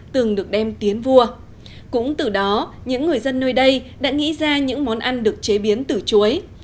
từng được đem tiến vua cũng từ đó những người dân nơi đây đã nghĩ ra những món ăn được chế biến từ chuối